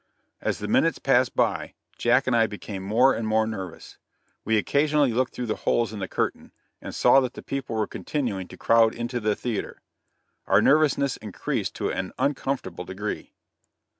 As the minutes passed by, Jack and I became more and more nervous. We occasionally looked through the holes in the curtain, and saw that the people were continuing to crowd into the theatre; our nervousness increased to an uncomfortable degree.